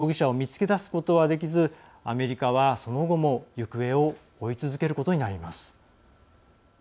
しかしビンラディン容疑者を見つけ出すことはできずアメリカはその後も行方を追い続けることになります。